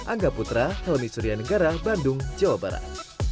angga putra helmi suryanegara bandung jawa barat